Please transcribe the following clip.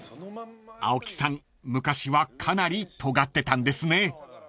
［青木さん昔はかなりとがってたんですね］